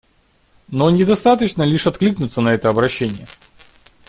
Но недостаточно лишь откликнуться на это обращение.